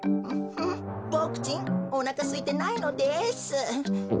うボクちんおなかすいてないのです。